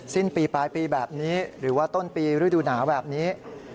สิ้นปีปลายปีแบบนี้หรือว่าต้นปีฤดูหนาวแบบนี้